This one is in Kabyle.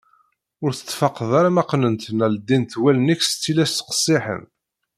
Ur tettfaqeḍ ara ma qqnent neɣ ldint wallen-ik seg tillas qessiḥen.